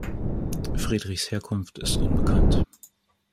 Friedrichs Herkunft ist unbekannt.